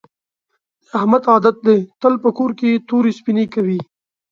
د احمد عادت دې تل په کور کې تورې سپینې کوي.